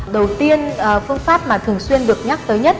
đầu tiên phương pháp mà thường xuyên được nhắc tới nhất